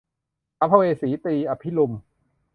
สัมภเวสี - ตรี อภิรุม